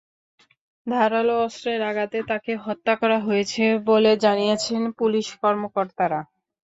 ধারালো অস্ত্রের আঘাতে তাঁকে হত্যা করা হয়েছে বলে জানিয়েছেন পুলিশ কর্মকর্তারা।